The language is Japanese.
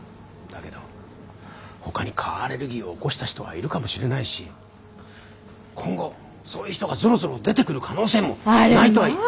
だけどほかに蚊アレルギーを起こした人はいるかもしれないし今後そういう人がゾロゾロ出てくる可能性もないとは。